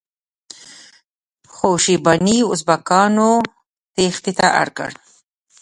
خو شیباني ازبکانو تیښتې ته اړ کړ.